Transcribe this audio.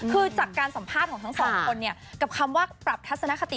คือจากการสัมภาษณ์ของทั้งสองคนเนี่ยกับคำว่าปรับทัศนคติ